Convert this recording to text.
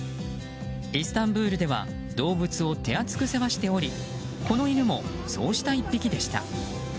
イスタンブールでは動物を手厚く世話しておりこの犬もそうした１匹でした。